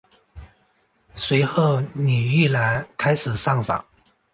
随后倪玉兰开始上访。